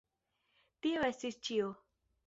Tio estis ĉio.